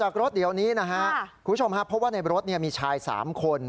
จากรถเดี๋ยวนี้นะฮะคุณผู้ชมครับเพราะว่าในรถมีชาย๓คน